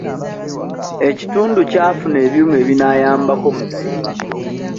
Ekitundu kyafuna ebyuma ebinaayambako mu kulima.